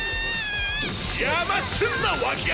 「邪魔すんな！脇役！」